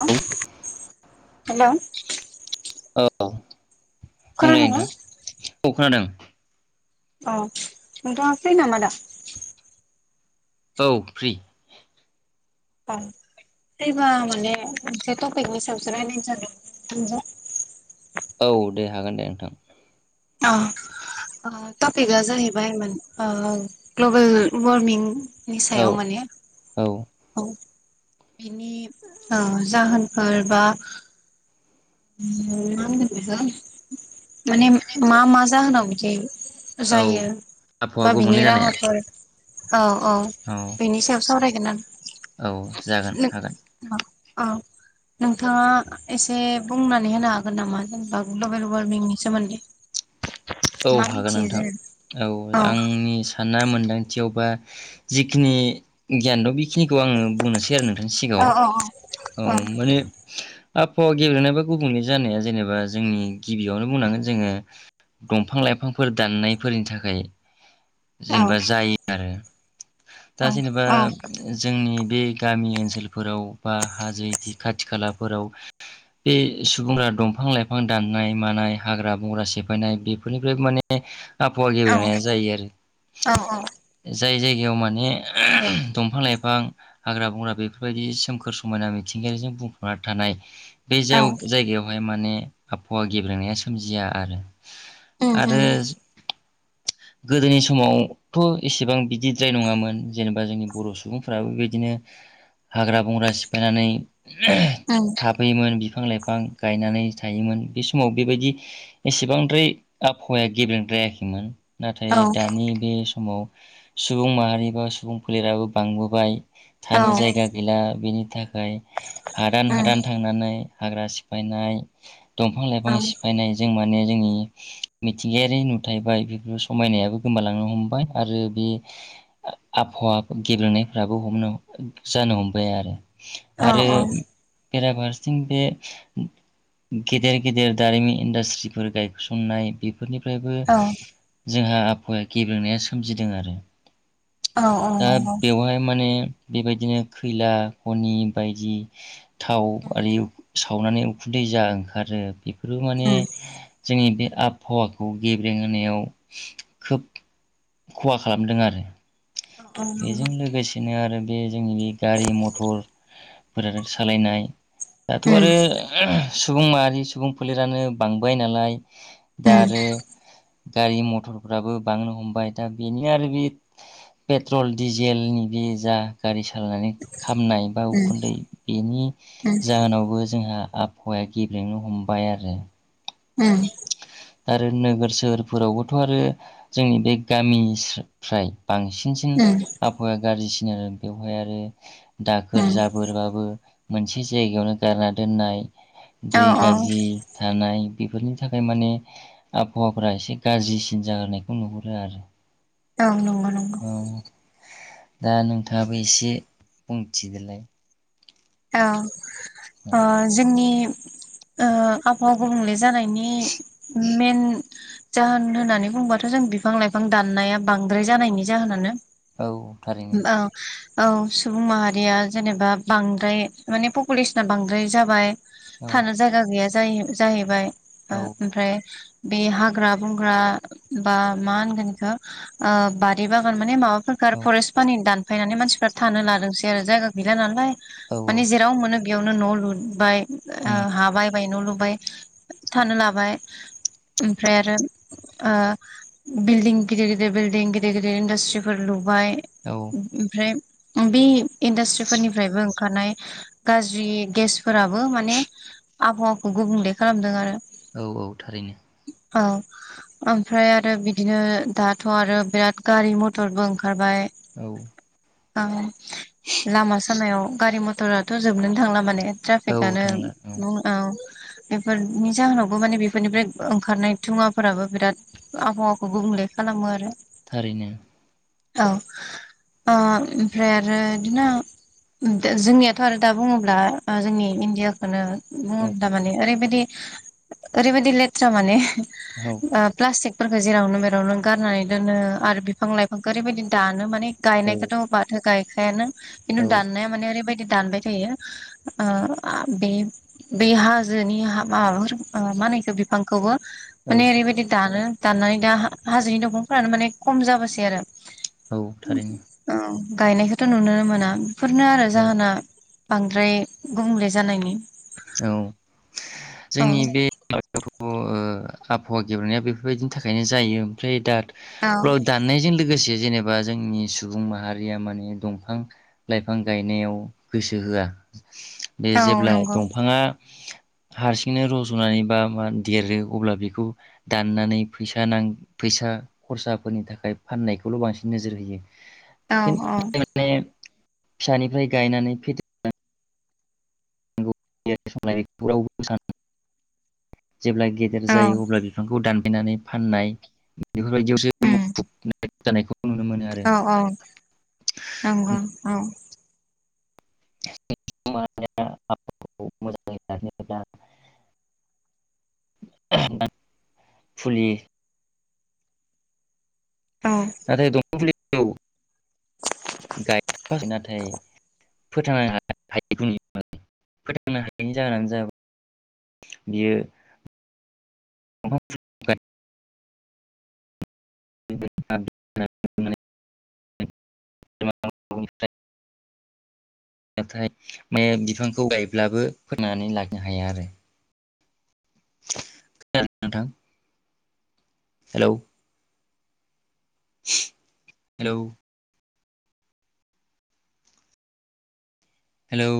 [unintelligible] Hello औ बुंंलाय खोनादोंना नोंथां। औ खोनादों। औ नोंथाङा फ्रि नामा दा? औ फ्रि। औ फ्रि बा माने मोनसे टपिकनि सायावसो रायलायनो सानदोंमोन [unintelligible] औ दे हागोन दे नोंथां। अ ओ टपिकआ जाहैबाय ओ ग्लबेल वार्मिं नि औ सायाव माने। औ औ बिनि ओ जाहोनफोर बा ओम मा होनगोन बेखौ? माने मा मा जाहोनाव बिदि औ जायो, आबहावा बा बिनि गुबुंले जानाया राहाफोर औ। औ बेनि सायाव सावरायगोन औ ना जागोन हागोन [unintelligible] औ नोंथाङा एसे बुंनानै होनो हागोन नामा जेनेबा ग्लबेल वारमिंनि सोमोन्दै? औ मा हागोन मिथियो नोंथां जों औ आंनि साननाय मोनदांथियाव बा जिखिनि गियान [unintelligible] बेखिनिखौ आङो बुंनोसै आरो नोंथांनि औ सिगाङाव। औ औ माने आबहावा गेब्लेनाय बा गुबुंले जानाया जेनेबा जोंनि गिबियावनो बुंनांगोन जोङो दंफां लाइफांफोर दाननायफोरनि थाखाय औ जेनेबा जायो आरो। औ दा जेनेबा औ जोंनि बे गामि ओनसोलफोराव बा हाजो इदि खाथि खालाफोराव बे सुबुंफ्रा दंफां लाइफां दाननाय मानाय हाग्रा बंग्रा सेफायनाय बेफोरनिफ्राय माने आबहावा औ गेबेनाया जायो आरो। औ जाय जायगायाव माने दंफां लाइफां हाग्रा बंग्रा बेफोरबायदि सोमखोर समायना मिथिंगायारिजों बुंफबना थानाय बे औ जाव जायगायावहाय माने आफहावा गेब्रेनाया सोमजिया आरो। उम आरो उम गोदोनि समावथ' एसेबां बिदिद्राय नङामोन जेनेबा जोंनि बर' सुबुंफ्राबो बेबायदिनो हाग्रा बंग्रा सिफायनानै उम थाफैयोमोन बिफां-लाइफां गायनानै थायोमोन बे समाव बेबायदि एसेबां द्राय आबहावाया गेब्रेंद्रायाखैमोन। औ नाथाय दानि बे समाव सुबुं माहारि बा सुबुं फोलेराबो बांबोबाय। औ थानो जायगा गैला बेनि थाखाय हादान उम हादान थांनानै हाग्रा सिफायनाय दंफां औ लाइफां सिफायनाय जों माने जोंनि मिथिंगायारि नुथायबाय बेफोर समायनायाबो गोमालांनो हमबाय आरो बे आफहावा गेब्रेंनायफ्राबो हमनो जानो हमबाय आरो। अह आरो अह। बेराफारसेथिं बे गेदेर गेदेर दारिमिन इन्डास्ट्रिफोर गाय सननाय बे फोरनिफ्रायबो औ जोंहा बै गेब्रेंनाया सोमजिदों आरो। औ औ दा नंगौ बेवहाय माने बेबायदिनो खैला खनि बायदि थाव आरि सावनानै उखुन्दै जा ओंखारो बे फोरो माने उम जोंनि बे आबहावाखौ गेब्रेंहोनायाव खोब खहा खालामदों आरो। औ नंगौ बेजों लोगोसेनो आरो बे जोंनि गारि मथर मोजाजों सालायनाय दाथ उम आरो ओ सुबुं माहारि सुबुं फोलेरानो बांबाय नालाय दा उम आरो गारि मथरफ्राबो बांनो हमबाय दा बेनो आरो बे पेट्रल डिजेलनि बे जा गारि सालायनानै खामनाय बा उखुन्दै बेनि जाहोनावबो जोंहा आबहावाया गेब्लेंनो हमबाय आरो । उम । आरो नोगोर सोहोरफोरावबोथ आरो जोंनि बे गामिनिसा फ्राय बांसिनसिन उम आबहावाया गाज्रि ओ बेवहाय आरो दाखोर उम जाबोरबाबो मोनसे जायगायावनो गारना दोननाय औ दै औ गाज्रि थानाय बेफोरनि थाखाय माने आबहावाफ्रा एसे गाज्रिसिन जाहोनायखौ नुहुरो आरो । औ नंगौ नंगौ । दा नोंथाङाबो एसे बुंथिदोलाय । औ । अ जोंनि ओ आफावआ गुबुंले जानायनि मेन जाहोन होननानै बुंबाथ जों बिफां लाइफां दाननाया बांद्राय जानायनि जाहोनानो । औ थारैनो । औ सुबुं माहारिया जेनेबा बां द्राय माने पपुलेसना बांद्राय जाबाय । औ थानो जायगा गैया जा जाहै जाहैबाय ओ औ ओमफ्राय बे हाग्रा बंग्रा बा मा होनगोन इखौ बारि बागान माने माबा सोरखार औ फरेट पानिनि दान फैनानै मानसिफ्रा थानो लादोंसै आरो जायगा गैला नालाय औ । माने जेराव मोनो बेयावनो न' लुदबाय ओ उम हा बायबाय न' लु बाय थानोलाबाय ओमफ्राय आरो ओ बिल्डिं गिदिर गिदिर बिल्डिं गिदिर गिदिर इनदास्ट्रिफोर लुबाय बाय औ ओम-ओमफ्राय उम बे इन्डासट्रिफोरनिफ्रायबो ओंखारनाय गाज्रि गेस फोराबो माने आबहावाखौ गुबुंले खालामदों आरो। औ औ थारैनो औ ओमफ्राय आरो बिदिनो दाथ' आरो बिराद गारि मथरबो ओंखार बाय। औ आं लामा सामायाव गारि मथराथ' जोबनोनो थांला माने। औ ट्राफिकआनो थांला बुं औ बेफोरनि जाहोनावबो माने बेफोरनिफ्राय ओंखारनाय धुङाफोराबो बिराद आबहावाखौ गुबुंले खालामो आरो। थारैनो। औ, ओ ओमफ्राय आरो बिदिनो दो जोंनियाथ' आरो दा बुङोब्ला ओ जोंनि इण्डियाखोनो मह औ दा माने ओरैबायदि ओरैबायदि लेथ्रा माने औ ओ प्लासटिक फोरखो जेरावनो मेरावनो गारनानै दोनो आरो बिफां लाइफांखो ओरैबायदि दानो माने औ गायनायखोथ' बाद हो गाय खायानो। औ नाया माने ओरैबायदि दानबाय थायो ओ आ बे बे हाजोनि हा माबाफोर ओ मा होनो बेखो बिफांखोबो माने ओरैबायदि दानो दाननानै दा हा-हाजोनि दंफांफोरानो माने खम जाबासै आरो। औ औ थारैनो औ। गायनायखौथ' नुनो मोना। फोरनो आरो औ जाहोना बांद्राय गुबुंले जानायनि औ औ जोंनि बे [unintelligible] ओ आबहावा गेबेनाया बेफोरबायदिनि थाखायनो जायो ओमफ्राय दा औ ब दाननायजों लोगोसे। जेनेबा जोंनि सुबुं माहारिया माने दंफां लाइफां गायनायाव गोसो होआ बे औ जेब्लाय नंगौ दंफाङा हारसिंनो रज'नानै बा मा देरो अब्ला बेखौ दाननानै फैसा नां फैसा खरसाफोरनि थाखाय फाननायखौल' बांसिन नोजोर होयो। औ खिन्थु औ। माने फिसानिफ्राय गायनानै फेदेर । सखौ रावबोबो सानो। जेब्ला गेदेर औ जायो अब्ला बिफांखौ दान नानै फननाय । बेफोरबायदियावसो उम मुखुब। एानायखौ औ औ नंगौ औ। खौ मोजाङै ला्ला फुलि औ। [unintelligible] गाय फसिना थायो। फोथांनो ह फोथांनो हायैनि जाहोनानो जाय बियो नाथाय म बिफांखौ गायब्लाबो फोननानै लाखिनो हाया आरो नोंथां हेलौ हेलौ। हेलौ।